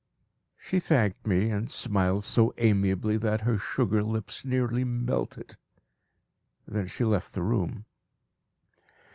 She thanked me, and smiled so amiably that her sugar lips nearly melted. Then she left the room.